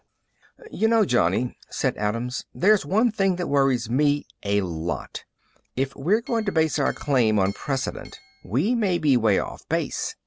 "You know, Johnny," said Adams, "there's one thing that worries me a lot. If we're going to base our claim on precedent, we may be way off base.